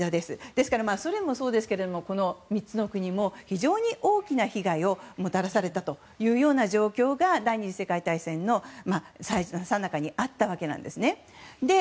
ですからソ連もそうですけれども３つの国も非常に大きな被害をもたらされたという状況が第２次世界大戦のさなかにあったわけなんですね。